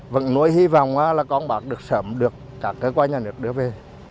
vẫn nối hy vọng là con bác được sớm được cả cơ quan nhà nước đưa về